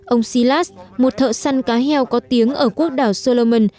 ông silas một thợ săn cá heo có tiếng ở quốc đảo solomen